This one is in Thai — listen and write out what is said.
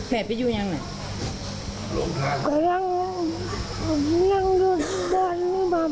แผลไปอยู่ยังไหน